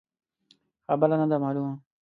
خبره نه ده مالونه.